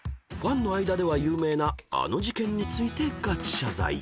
［ファンの間では有名なあの事件についてガチ謝罪］